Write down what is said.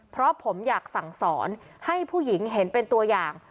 เพราะผมอยากสั่งสอนให้ผู้หญิงเห็นเป็นตัวอย่าง